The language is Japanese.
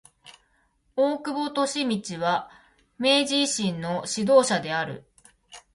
大久保利通は明治維新の指導者である。